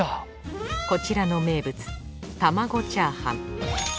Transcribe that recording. こちらの名物玉子チャーハン。